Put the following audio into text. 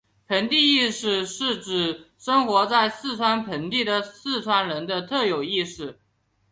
盆地意识是指生活在四川盆地的四川人的特有意识。